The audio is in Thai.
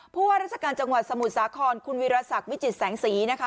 ว่าราชการจังหวัดสมุทรสาครคุณวิรสักวิจิตแสงสีนะคะ